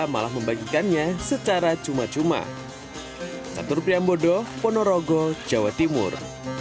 malah membagikannya secara cuma cuma satu priambodo ponorogo jawa timur